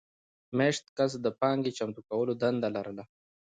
مېشت کس د پانګې چمتو کولو دنده لرله.